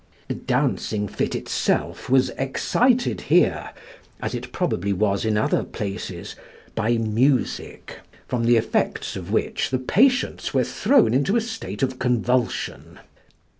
The dancing fit itself was excited here, as it probably was in other places, by music, from the effects of which the patients were thrown into a state of convulsion.